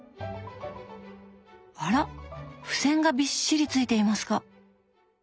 あら付箋がびっしりついていますが。